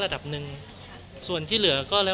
เรียกงานไปเรียบร้อยแล้ว